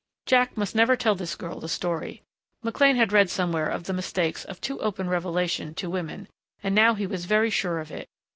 Jack must never tell this girl the story. McLean had read somewhere of the mistakes of too open revelation to women and now he was very sure of it....